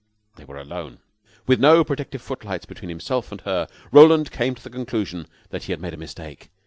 They were alone. With no protective footlights between himself and her, Roland came to the conclusion that he had made a mistake.